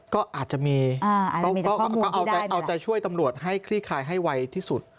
ก็อาจจะมีเอาใจช่วยตำรวจให้คลี่คลายให้ไวที่สุด